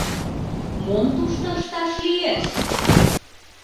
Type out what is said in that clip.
— Мом тушто ышташ лиеш?